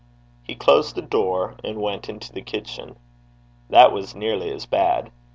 He closed the door and went into the kitchen. That was nearly as bad.